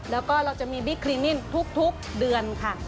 แล้วก็เราจะมีบิ๊กคลินินทุกเดือนค่ะ